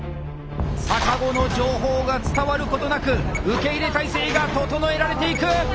逆子の情報が伝わることなく受け入れ態勢が整えられていく！